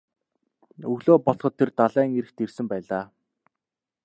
Өглөө болоход тэд далайн эрэгт ирсэн байлаа.